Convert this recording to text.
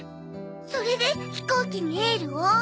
それで飛行機にエールを？